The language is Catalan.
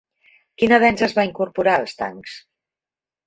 Quin avenç es va incorporar als tancs?